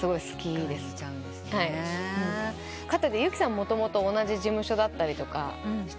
もともと同じ事務所だったりして。